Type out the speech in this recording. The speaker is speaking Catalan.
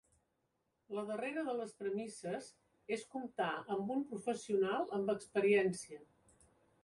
La darrera de les premisses és comptar amb un professional amb experiència.